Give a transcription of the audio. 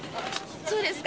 そうですか。